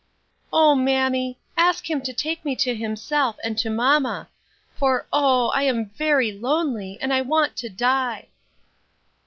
"O mammy! ask Him to take me to Himself, and to mamma for oh! I am very lonely, and I want to die!"